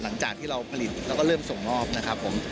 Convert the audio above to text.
หลังจากที่เราผลิตแล้วก็เริ่มส่งมอบนะครับผม